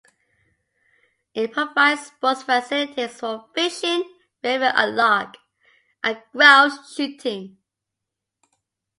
It provides sports facilities for fishing (river and loch) and grouse shooting.